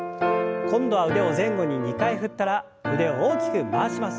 今度は腕を前後に２回振ったら腕を大きく回します。